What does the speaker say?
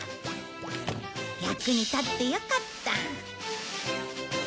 役に立ってよかった。